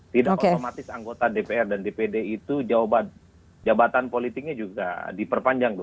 tidak otomatis anggota dpr dan dpd itu jawaban jabatan politiknya juga diperpanjang dua tahun